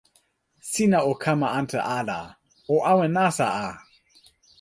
sina o kama ante ala. o awen nasa a!